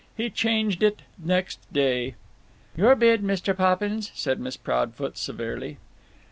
He changed it next day." "Your bid, Mr. Poppins, "said Miss Proudfoot, severely.